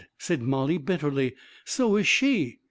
" said Mollie, bitterly. " So is she.